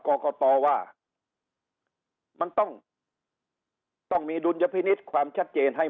กรกตว่ามันต้องต้องมีดุลยพินิษฐ์ความชัดเจนให้